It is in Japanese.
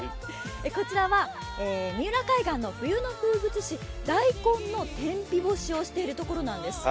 こちらは三浦海岸の冬の風物詩、大根の天日干しをしてるところなんです。